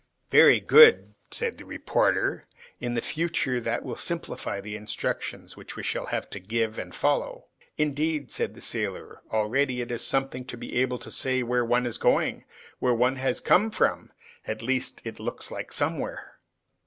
"Very good," said the reporter. "In the future, that will simplify the instructions which we shall have to give and follow." "Indeed," said the sailor, "already it is something to be able to say where one is going, and where one has come from. At least, it looks like somewhere."